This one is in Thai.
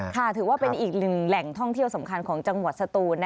ถือว่าเป็นอีกหนึ่งแหล่งท่องเที่ยวสำคัญของจังหวัดสตูน